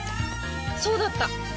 そうだった！